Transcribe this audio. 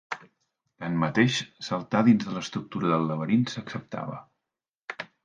Tanmateix, saltar dins de l'estructura del laberint s'acceptava.